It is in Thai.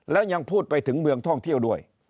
แล้วยังพูดไปถึงเมืองท่องเที่ยวด้วย